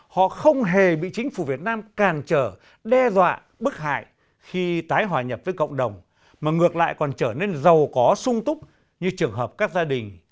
họ không hề bị chính phủ việt nam càn trở đe dọa bức hại khi tái hòa nhập với cộng đồng mà ngược lại còn trở nên giàu có sung túc như trường hợp các gia đình